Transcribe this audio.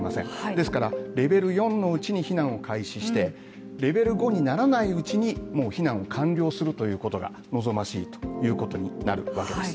ですから、レベル４のうちに避難を開始して、レベル５にならないうちに避難を完了することが望ましいということになるわけです。